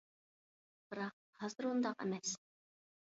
بىراق ھازىر ئۇنداق ئەمەس.